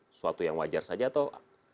sesuatu yang wajar saja atau